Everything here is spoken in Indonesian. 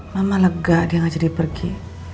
mama lega dia ngajari pergi